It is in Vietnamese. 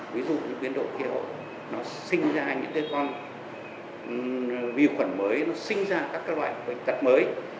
ví dụ như biến độ khiếu nó sinh ra những cái con vi khuẩn mới nó sinh ra các loại bệnh tật mới